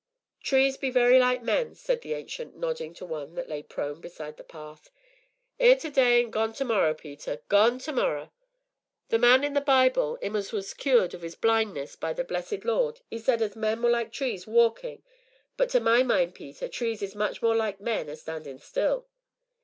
"Trees be very like men," said the Ancient, nodding to one that lay prone beside the path, "'ere to day an' gone to morrer, Peter gone to morrer. The man in the Bible, 'im as was cured of 'is blindness by our blessed Lord, 'e said as men was like trees walkin', but, to my mind, Peter, trees is much more like men a standin' still.